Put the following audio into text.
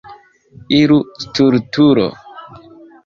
Iru, stultulo!